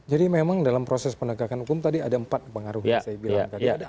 jadi memang dalam proses penegakan hukum tadi ada empat pengaruh yang saya bilang tadi